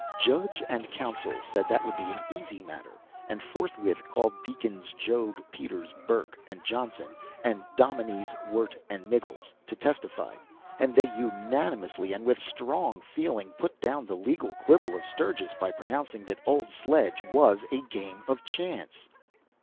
Judge and counsel said that would be an easy matter, and forthwith called Deacons Job, Peters, Burke, and Johnson, and Dominies Wirt and Miggles, to testify; and they unanimously and with strong feeling put down the legal quibble of Sturgis by pronouncing that old sledge was a game of chance.